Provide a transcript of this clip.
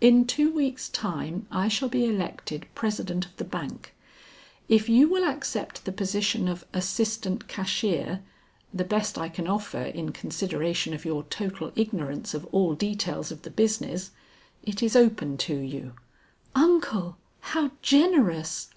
In two weeks time I shall be elected President of the Bank; if you will accept the position of assistant cashier, the best I can offer in consideration of your total ignorance of all details of the business, it is open to you " "Uncle! how generous!